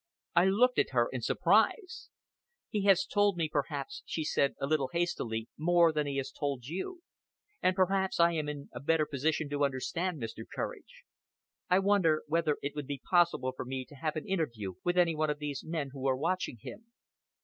I looked at her in surprise. "He has told me, perhaps," she said, a little hastily, "more than he has told you, and perhaps I am in a better position to understand. Mr. Courage, I wonder whether it would be possible for me to have an interview with any one of these men who are watching him."